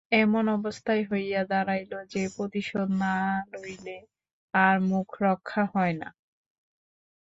এমন অবস্থা হইয়া দাঁড়াইল যে, প্রতিশােধ না লইলে আর মুখ রক্ষা হয় না।